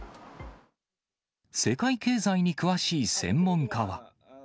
世界経済に詳しい専門家は。